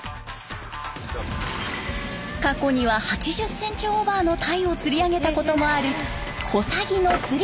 過去には８０センチオーバーの鯛を釣り上げたこともある小佐木の釣り